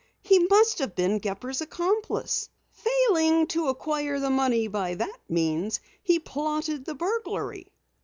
He must have been Gepper's accomplice. Failing to acquire the money by that means, he plotted the burglary."